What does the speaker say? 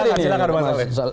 silahkan silahkan bang saleh